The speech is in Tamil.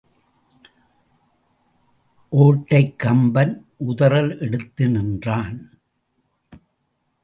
ஒட்டடைக் கம்பன் உதறல் எடுத்து நின்றான்.